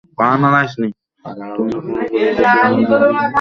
তুমি পুরোপুরি ডেসডেমোনার চরিত্রে অভিনয় করতে পারবে।